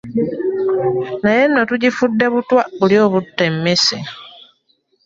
Naye nno tugifudde butwa buli obutta emmese